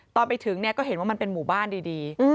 ตอนไปถึงเนี่ยก็เห็นว่ามันเป็นหมู่บ้านดี